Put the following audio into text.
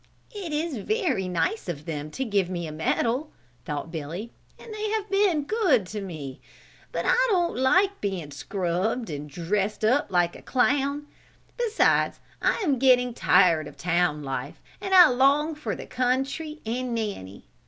"It is very nice of them to give me a medal," thought Billy, "and they have been good to me; but I don't like being scrubbed and dressed up like a clown, beside I am getting tired of town life and I long for the country and Nanny.